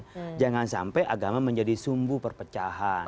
di mana di situ ada menyentuh keagamaan itulah wilayah kami